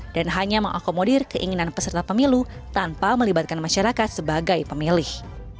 dan hanya mengakomodir keinginan peserta pemilu tanpa melibatkan masyarakat sebagai pemilih